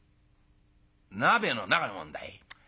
鍋の中のもんだい。